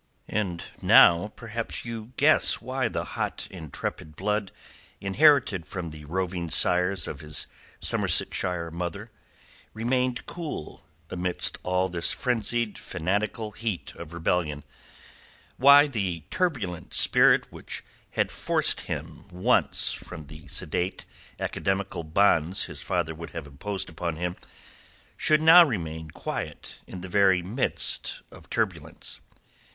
And now perhaps you guess why the hot, intrepid blood inherited from the roving sires of his Somersetshire mother remained cool amidst all this frenzied fanatical heat of rebellion; why the turbulent spirit which had forced him once from the sedate academical bonds his father would have imposed upon him, should now remain quiet in the very midst of turbulence.